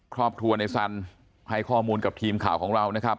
ครอบครัวในสันให้ข้อมูลกับทีมข่าวของเรานะครับ